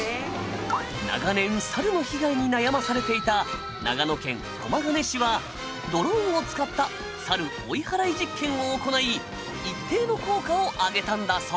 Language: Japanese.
長年サルの被害に悩まされていた長野県駒ヶ根市はドローンを使ったサル追い払い実験を行い一定の効果を上げたんだそう。